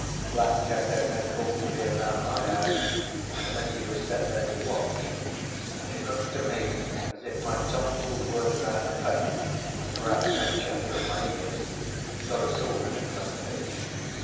Black Jack had no call to be about my house, unless he was set there to watch; and it looked to me as if my tomfool word about the paint, and perhaps some chatter of Maea's, had got us all in a clove hitch.